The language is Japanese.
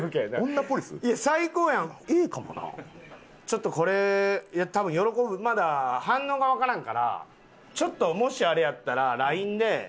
ちょっとこれ多分喜ぶまだ反応がわからんからちょっともしあれやったらＬＩＮＥで。